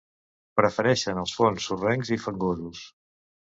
Prefereixen els fons sorrencs i fangosos.